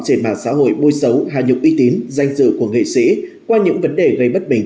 trên mạng xã hội bôi xấu hà nhục uy tín danh dự của nghệ sĩ qua những vấn đề gây bất bình